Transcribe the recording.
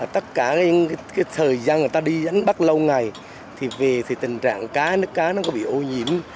tất cả cái thời gian người ta đi đánh bắt lâu ngày thì về thì tình trạng cá nước cá nó có bị ô nhiễm